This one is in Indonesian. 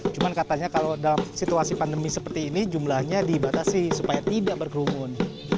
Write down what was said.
cuman katanya kalau dalam situasi pandemi seperti ini jumlahnya dibatasi supaya tidak berkerumun